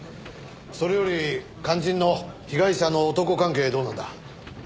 それより肝心の被害者の男関係どうなんだ？